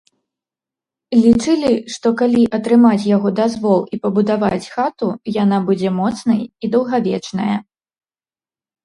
Лічылі, што, калі атрымаць яго дазвол і пабудаваць хату, яна будзе моцнай і даўгавечная.